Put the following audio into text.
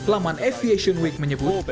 laman aviation week menyebut